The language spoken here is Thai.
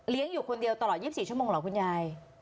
อยู่คนเดียวตลอด๒๔ชั่วโมงเหรอคุณยาย